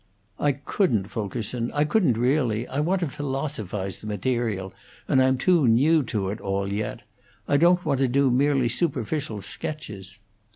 "I couldn't, Fulkerson; I couldn't, really. I want to philosophize the material, and I'm too new to it all yet. I don't want to do merely superficial sketches."